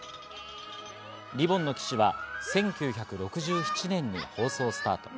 『リボンの騎士』は１９６７年に放送スタート。